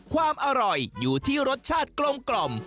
ความอร่อยอยู่ที่รสชาติกลม